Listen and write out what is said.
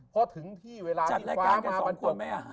เพราะถึงที่เวลาที่ฟ้ามาบรรจบ